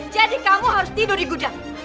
jadi kamu harus tidur di gudang